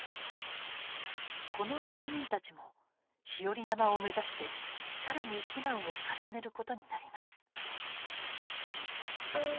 この住民たちも日和山を目指して更に避難を重ねることになります。